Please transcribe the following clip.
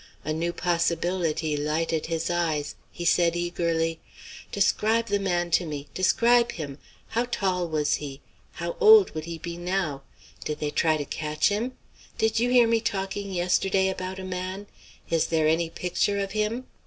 A new possibility lighted his eyes. He said eagerly: "Describe the man to me. Describe him. How tall was he? How old would he be now? Did they try to catch him? Did you hear me talking yesterday about a man? Is there any picture of him?